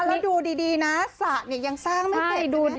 แล้วดูดีนะสระเนี่ยยังสร้างไม่เสร็จดูนะ